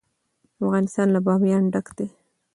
افغانستان له بامیان ډک دی.